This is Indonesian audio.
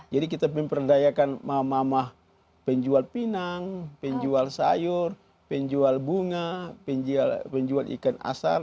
jadi kita memperdayakan mamah mamah penjual pinang penjual sayur penjual bunga penjual ikan asar